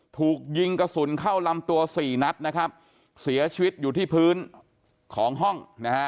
ถูกยิงกระสุนเข้าลำตัวสี่นัดนะครับเสียชีวิตอยู่ที่พื้นของห้องนะฮะ